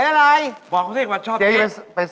น้ารู้ได้อย่างไรเนี่ย